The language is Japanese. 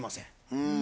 うん。